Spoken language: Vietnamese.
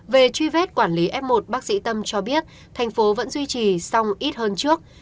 về truy vết quản lý f một bác sĩ tâm cho biết thành phố vẫn duy trì xong ít hơn trước